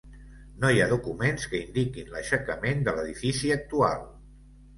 No hi ha documents que indiquin l'aixecament de l'edifici actual.